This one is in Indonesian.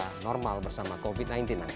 di era normal bersama covid sembilan belas